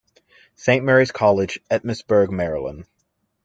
Saint Mary's College, Emmitsburg, Maryland.